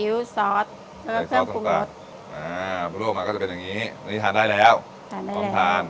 นี่เราใส่อะไรบ้างเนี่ยใส่พริกใส่พริกใส่ซีอิ๊วซอสแล้วก็เพิ่มปรุงรสอ่าพูดออกมาก็จะเป็นอย่างงี้อันนี้ทานได้แล้วทานได้แล้วต้องทาน